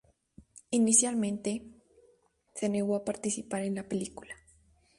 Inicialmente, se negó a participar en la película.